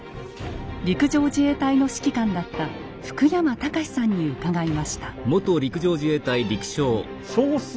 陸上自衛隊の指揮官だった福山隆さんに伺いました。